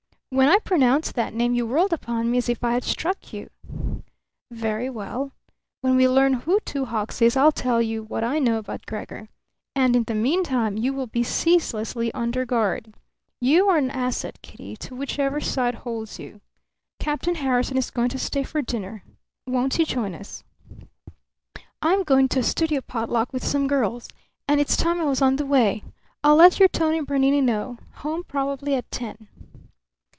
"When I pronounced that name you whirled upon me as if I had struck you." "Very well. When we learn who Two Hawks is I'll tell you what I know about Gregor. And in the meantime you will be ceaselessly under guard. You are an asset, Kitty, to whichever side holds you. Captain Harrison is going to stay for dinner. Won't you join us?" "I'm going to a studio potluck with some girls. And it's time I was on the way. I'll let your Tony Bernini know. Home probably at ten."